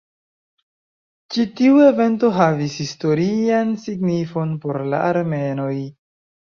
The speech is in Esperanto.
Ĉi tiu evento havis historian signifon por la armenoj.